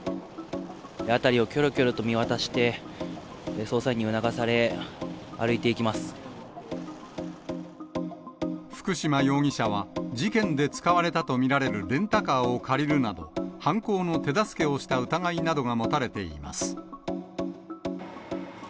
辺りをきょろきょろと見渡して、捜査員に促され、歩いていき福島容疑者は、事件で使われたと見られるレンタカーを借りるなど、犯行の手助けをした疑いなどが持たれています。